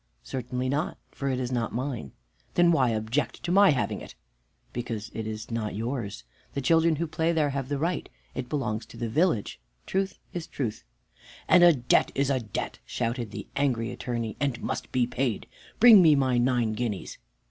"Certainly not, for it is not mine." "Then why object to my having it?" "Because it is not yours. The children who play there have the right. It belongs to the village. Truth is truth." "And a debt is a debt," shouted the angry Attorney, "and must be paid. Bring me my nine guineas!"